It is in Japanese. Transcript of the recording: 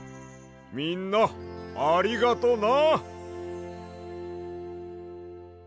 みんなありがとな。